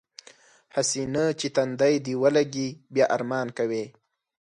هسې نه چې تندی دې ولږي بیا ارمان کوې.